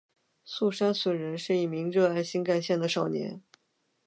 速杉隼人是一名热爱新干线的少年。